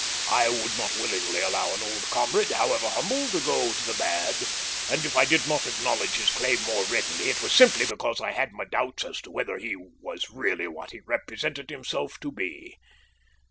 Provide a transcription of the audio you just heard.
I would not willingly allow an old comrade, however humble, to go to the bad, and if I did not acknowledge his claim more readily it was simply because I had my doubts as to whether he was really what he represented himself to be.